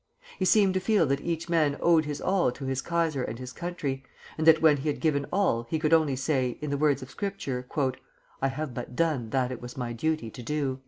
He seemed to feel that each man owed his all to his kaiser and his country, and that when he had given all, he could only say, in the words of Scripture: "I have but done that it was my duty to do."